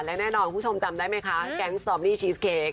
และแน่นอนคุณผู้ชมจำได้ไหมคะแก๊งซอมนี่ชีสเค้ก